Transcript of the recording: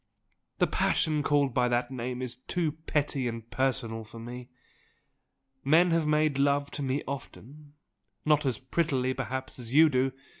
The passion called by that name is too petty and personal for me. Men have made love to me often not as prettily perhaps as you do!